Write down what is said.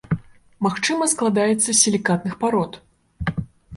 Магчыма, складаецца з сілікатных парод.